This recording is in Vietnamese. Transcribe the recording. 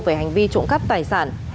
về hành vi trộm cắt tài sản